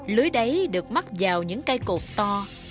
lưới đáy được mắc vào những cây cột to